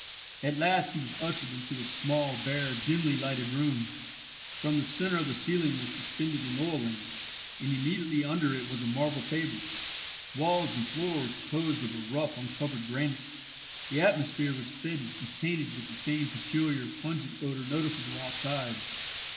At last he was ushered into a small, bare, dimly lighted room. From the centre of the ceiling was suspended an oil lamp, and immediately under it was a marble table. Walls and floor were composed of rough uncovered granite. The atmosphere was fetid, and tainted with the same peculiar, pungent odour noticeable outside.